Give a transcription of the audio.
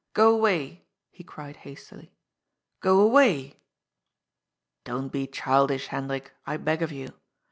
" Go away I " he cried hastily. " Go away !"" Don't be childish, Hendrik, I beg of you.